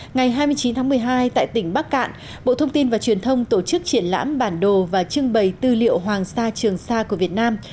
ngày hai mươi chín tháng một mươi hai tại tỉnh bắc cạn bộ thông tin và truyền thông tổ chức triển lãm bản đồ và trưng bày tư liệu hoàng sa trường sa của việt nam